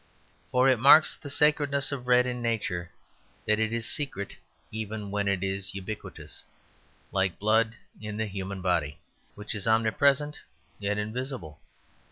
For it marks the sacredness of red in nature, that it is secret even when it is ubiquitous, like blood in the human body, which is omnipresent, yet invisible.